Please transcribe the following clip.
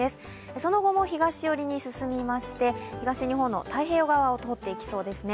その後も東寄りに進みまして、東日本の太平洋側を通っていきそうです。